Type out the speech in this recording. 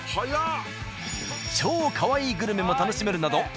超かわいいグルメも楽しめるなど